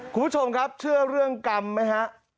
คุณผู้ชมครับเชื่อเรื่องกรรมไหมฮะ